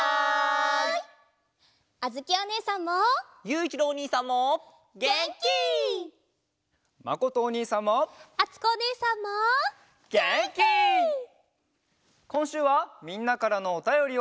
こんしゅうはみんなからのおたよりをしょうかいする。